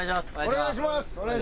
お願いします！